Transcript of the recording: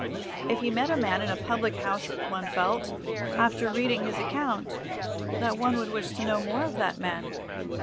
If he met a man in a public house one felt, after reading his account, that one would wish to know more of that man.